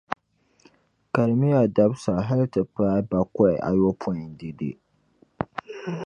kalimiya dabisa hali ti paai bakɔi ayopɔin dɛde.